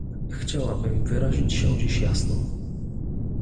Chciałabym wyrazić się dziś jasno